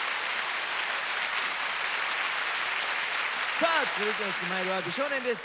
さあ続いての「ＳＭＩＬＥ」は美少年です。